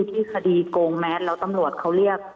ที่คดีโกงแมสแล้วตำรวจเขาเรียก